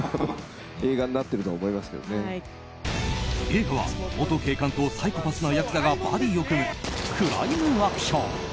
映画は、元警察官とサイコパスなヤクザがバディーを組むクライムアクション。